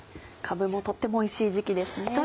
かぶもとってもおいしい時期ですね。